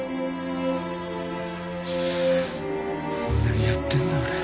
何やってんだ俺。